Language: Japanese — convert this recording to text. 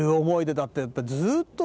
だってずっとさ。